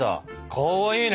かわいいね。